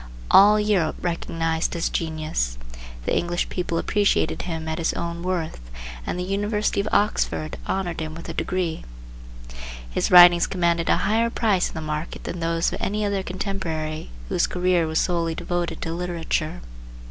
All Europe recognized his genius, the English people appreciated him at his own worth, and the University of Oxford honored him with a degree. His writings commanded a higher price in the market than those of any other contemporary whose career was solely devoted to literature.